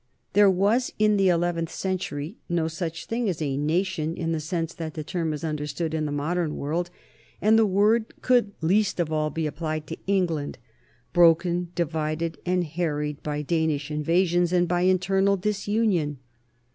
There was in the eleventh century no such thing as a nation in the sense that the term is understood in the modern world, and the word could least of all be ap plied to England, broken, divided, and harried by Dan ish invasions and by internal disunion.